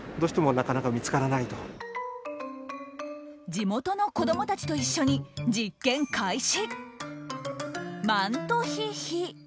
地元の子どもたちと一緒に実験開始！